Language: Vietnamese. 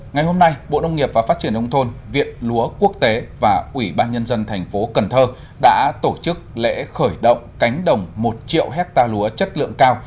ngày hôm nay bộ nông nghiệp và phát triển đông thôn viện lúa quốc tế và ủy ban nhân dân tp cnh đã tổ chức lễ khởi động cánh đồng một triệu hecta lúa chất lượng cao